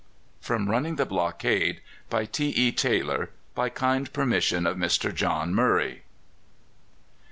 From "Running the Blockade," by T. E. Taylor. By kind permission of Mr. John Murray.